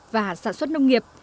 và sản xuất nông nghiệp